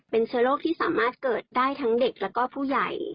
เป็นเชื้อโรคที่สามารถเกิดได้ทั้งเด็กแล้วก็ผู้ใหญ่